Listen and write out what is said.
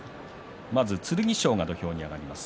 まず剣翔が土俵に上がります。